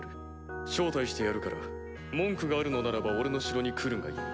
招待してやるから文句があるのならば俺の城に来るがいい。